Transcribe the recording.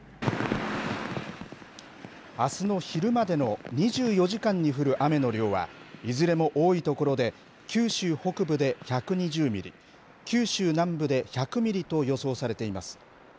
あすの昼までの２４時間に降る雨の量は、いずれも多い所で、九州北部で１２０ミリ、九州南部で１００ミリと予想されています。